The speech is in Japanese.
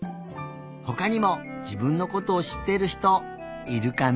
ほかにも自分のことをしっている人いるかな？